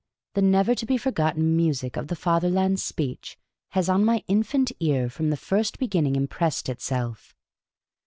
The uever to be forgotten music of the Father land's speech has on my infant ear from the first beginning impressed itself.